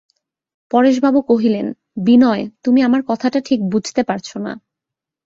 পরেশবাবু কহিলেন, বিনয়, তুমি আমার কথাটা ঠিক বুঝতে পারছ না।